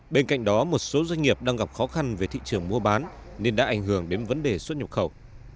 bên cạnh đó một số doanh nghiệp đang gặp khó khăn về thị trường mua bán nên đã ảnh hưởng đến vấn đề xuất nhập khẩu